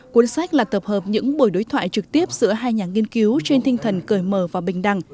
cuốn sách là tập hợp những buổi đối thoại trực tiếp giữa hai nhà nghiên cứu trên tinh thần cởi mở và bình đẳng